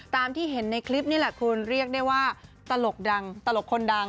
ตามที่เห็นในคลิปนี่แหละคุณเรียกได้ว่าตลกดังตลกคนดัง